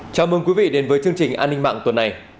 chào mừng quý vị đến với chương trình an ninh mạng tuần này